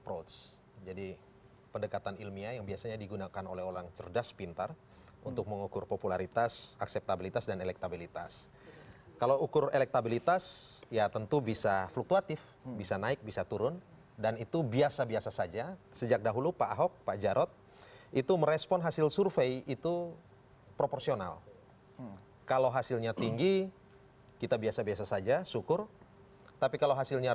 oke kita akan lanjutkan nanti diskusinya dan mengulasnya lebih dalam lagi bersama tiga tim pemenangkan kapalnya